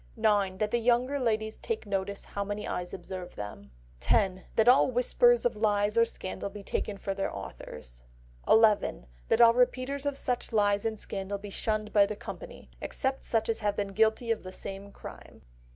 9. That the younger ladies take notice how many eyes observe them. 10. That all whisperers of lies or scandal be taken for their authors. 11. That all repeaters of such lies and scandal be shunned by the company; except such as have been guilty of the same crime.